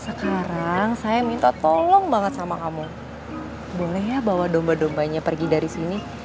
sekarang saya minta tolong banget sama kamu boleh ya bawa domba dombanya pergi dari sini